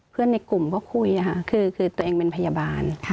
ในกลุ่มก็คุยค่ะคือตัวเองเป็นพยาบาล